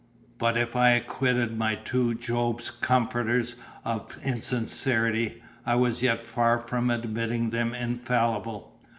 But if I acquitted my two Job's comforters of insincerity, I was yet far from admitting them infallible.